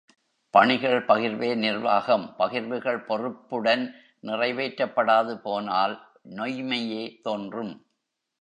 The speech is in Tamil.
பணிகள் பகிர்வே நிர்வாகம் பகிர்வுகள் பொறுப்புடன் நிறைவேற்றப்படாது போனால் நொய்ம்மையே தோன்றும்.